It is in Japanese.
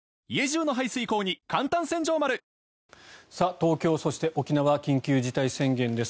東京そして沖縄緊急事態宣言です。